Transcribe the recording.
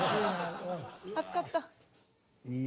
熱かった。